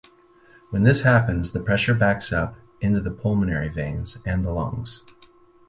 When this happens, the pressure backs up into the pulmonary veins and the lungs.